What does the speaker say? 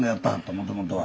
もともとは。